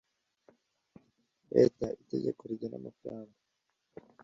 Leta itegeko rigena amafaranga